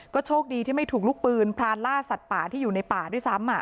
โชคดีที่ไม่ถูกลูกปืนพรานล่าสัตว์ป่าที่อยู่ในป่าด้วยซ้ำ